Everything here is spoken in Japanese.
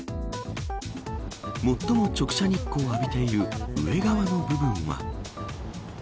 最も直射日光を浴びている上側の部分は。